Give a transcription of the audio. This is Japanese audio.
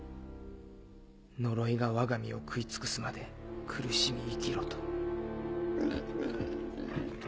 呪いがわが身を食い尽くすまで苦しみ生きろと。